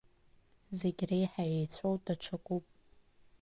Зегьреиҳа еицәоу даҽакуп.